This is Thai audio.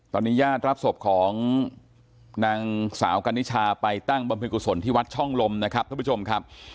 ตอนนี้ญาติรับศพของนางสาวกันนิชาไปตั้งบำเพ็ญกุศลที่วัดช่องลมนะครับท่านผู้ชมครับ